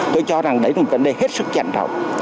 tôi cho rằng đấy là một vấn đề hết sức chẳng rộng